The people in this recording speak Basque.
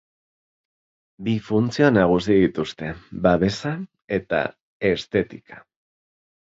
Bi funtzio nagusi dituzte: babesa eta estetika.